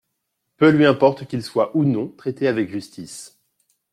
Peu lui importe qu’ils soient ou non traités avec justice.